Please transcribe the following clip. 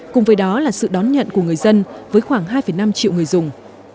cùng với đó là sự đón nhận của người dân với khoảng hai năm triệu người dùng